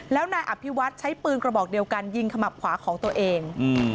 แล้วนายอภิวัฒน์ใช้ปืนกระบอกเดียวกันยิงขมับขวาของตัวเอง